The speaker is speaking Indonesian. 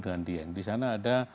dengan dieng di sana ada